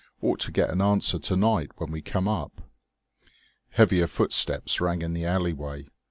Ought to get an answer to night, when we come up." Heavier footsteps rang in the alleyway.